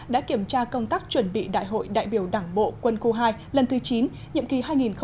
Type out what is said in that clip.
đã kiểm tra công tác chuẩn bị đại hội đại biểu đảng bộ quân khu hai lần thứ chín nhiệm kỳ hai nghìn hai mươi hai nghìn hai mươi năm